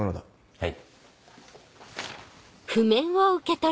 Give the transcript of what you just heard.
はい。